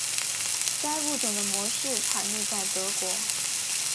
该物种的模式产地在德国。